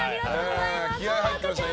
気合入ってましたね